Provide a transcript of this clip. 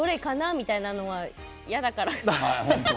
みたいなのは嫌だから。